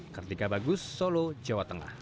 kartika bagus solo jawa tengah